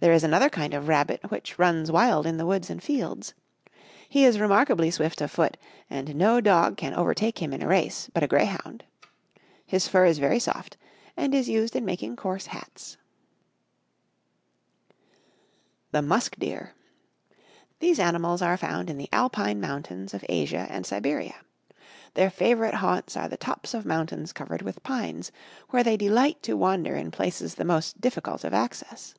There is another kind of rabbit, which runs wild in the woods and fields. He is remarkably swift of foot, and no dog can overtake him in a race, but a grey hound. His fur is very soft, and is used in making coarse hats. [Illustration: Musk Deer.] THE MUSK DEER These animals are found in the Alpine mountains of Asia and Siberia. Their favorite haunts are the tops of mountains covered with pines, where they delight to wander in places the most difficult of access.